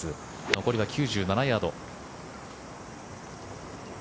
残りは９７ヤード。